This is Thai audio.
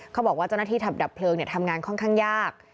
บอกว่าเจ้าหน้าที่ถับดับเพลิงทำงานค่อนข้างยาก